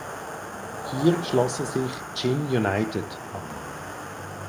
Hier schloss er sich Chin United an.